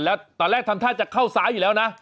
แล้วตอนแรกทำท่าจะเข้าซ้ายอยู่แล้วนะ